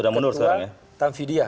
sudah mundur sekarang ya